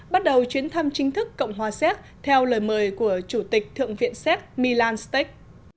bắt đầu chuyến thăm chính thức cộng hòa séc theo lời mời của chủ tịch thượng viện séc milan stech